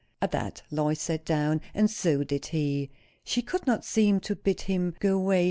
At that Lois sat down, and so did he. She could not seem to bid him go away.